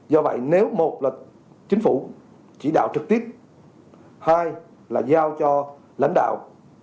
do vậy nếu một là chính phủ chỉ đạo trực tiếp hai là giao cho lãnh đạo